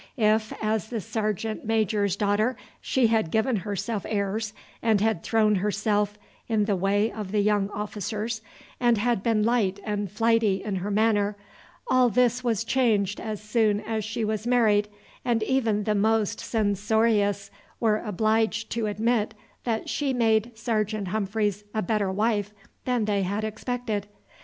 If, as the sergeant major's daughter, she had given herself airs, and had thrown herself in the way of the young officers, and had been light and flighty in her manner, all this was changed as soon as she was married, and even the most censorious were obliged to admit that she made Sergeant Humphreys a better wife than they had expected.